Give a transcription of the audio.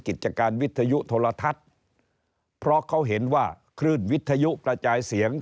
กิจการวิทยุโทรทัศน์เพราะเขาเห็นว่าคลื่นวิทยุกระจายเสียง